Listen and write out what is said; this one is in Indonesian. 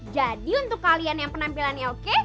jadi untuk kalian yang penampilannya oke